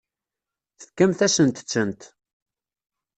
Tefkamt-asent-tent.